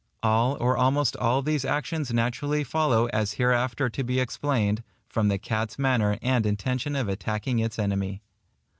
All, or almost all these actions naturally follow (as hereafter to be explained), from the cat's manner and intention of attacking its enemy.